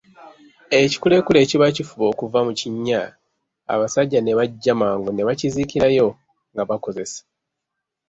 Ekikulekule kiba kifuba okuva mu kinnya, abasajja ne bajja mangu ne bakiziikirayo nga bakozesa.